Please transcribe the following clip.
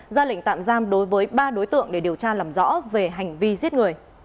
ra lệnh tạm giam đối với ba đối tượng để điều tra làm rõ về hành vi giết người